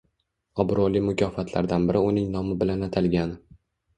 obro‘li mukofotlardan biri uning nomi bilan atalgan